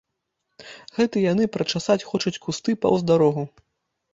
Гэта яны прачасаць хочуць кусты паўз дарогу.